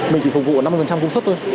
mình chỉ phục vụ năm mươi cung sức thôi